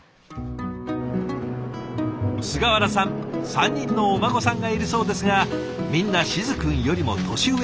菅原さん３人のお孫さんがいるそうですがみんな静くんよりも年上。